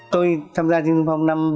tôi tham gia thanh niên xung phong